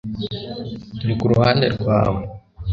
turi ku ruhande rwawe